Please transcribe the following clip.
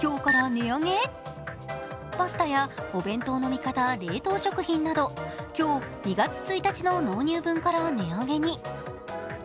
パスタやお弁当の味方、冷凍食品など今日２月１日の納入分から値上げに。